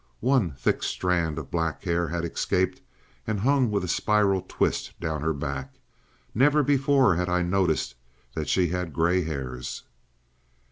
One thick strand of black hair had escaped, and hung with a spiral twist down her back; never before had I noticed that she had gray hairs.